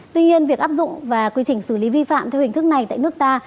tuy nhiên việc áp dụng và quy trình xử lý vi phạm theo hình thức này tại nước ta